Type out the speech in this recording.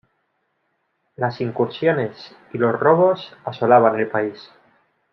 Las incursiones y los robos asolaban el país.